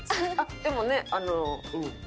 でもね。